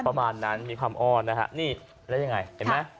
ประมาณนั้นมีความอ้อนนะฮะนี่แล้วยังไงเห็นไหม